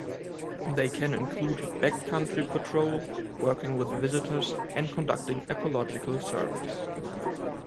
They can include backcountry patrol, working with visitors, and conducting ecological surveys.